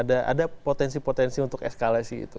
ada potensi potensi untuk eskalasi itu